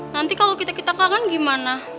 nanti kalau kita kita kangen gimana